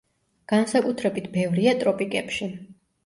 განსაკუთრებით ბევრია ტროპიკებში.